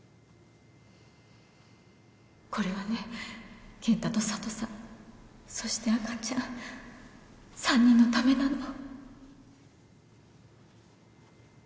これはね健太と佐都さんそして赤ちゃん３人のためなの